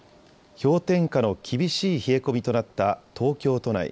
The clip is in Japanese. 氷点下の厳しい冷え込みとなった東京都内。